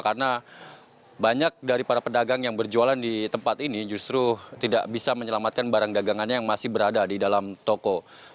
karena banyak dari para pedagang yang berjualan di tempat ini justru tidak bisa menyelamatkan barang dagangannya yang masih berada di dalam toko